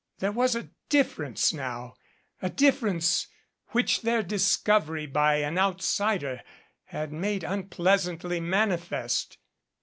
There was a difference now a difference which their discovery by an outsider had made unpleasantly manifest.